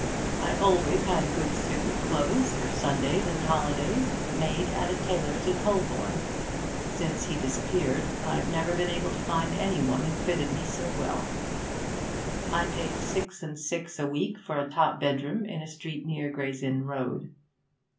I always had a good suit of clothes for Sundays and holidays made at a tailor's in Holborn. Since he disappeared I've never been able to find any one who fitted me so well. I paid six and six a week for a top bedroom in a street near Gray's Inn Road.